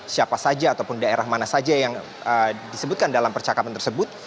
siapa saja ataupun daerah mana saja yang disebutkan dalam percakapan tersebut